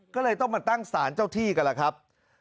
ก็เลยต้องมาตั้งศาลเจ้าที่กันล่ะครับ